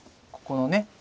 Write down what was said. ここのね